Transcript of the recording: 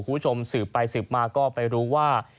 คุณผู้ชมสืบไปสืบมาก็ไปรู้ว่า